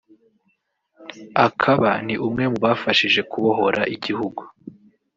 akaba ni umwe bafashije kubohora igihugu